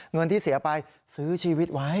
เงินที่เสียไปซื้อชีวิตไว้